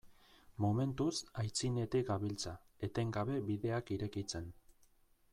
Momentuz aitzinetik gabiltza, etengabe bideak irekitzen.